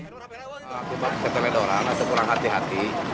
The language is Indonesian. akibat keterlenaan orang kurang hati hati